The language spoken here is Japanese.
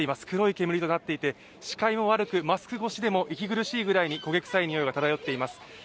黒い煙となっていて、視界も悪くマスク越しでも息苦しいぐらいに焦げ臭いにおいが漂っています。